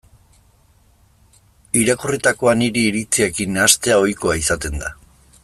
Irakurritakoa nire iritziekin nahastea ohikoa izaten da.